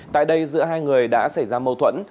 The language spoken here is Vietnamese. tại đây giữa hai người đã xảy ra mâu thuẫn